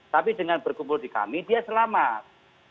tapi dengan berkumpul di kami dia selamat